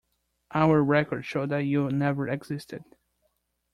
Our records show that you never existed.